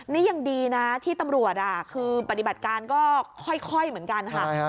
นี่ยังดีนะที่ตำรวจคือปฏิบัติการก็ค่อยเหมือนกันค่ะ